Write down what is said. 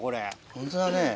ホントだね。